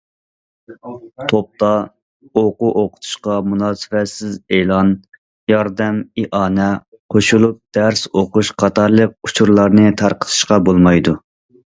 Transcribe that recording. توپتا ئوقۇ- ئوقۇتۇشقا مۇناسىۋەتسىز ئېلان، ياردەم، ئىئانە، قوشۇلۇپ دەرس ئوقۇش قاتارلىق ئۇچۇرلارنى تارقىتىشقا بولمايدۇ.